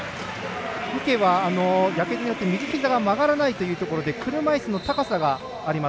池は、やけどによって右ひざが曲がらないということで車いすの高さがあります。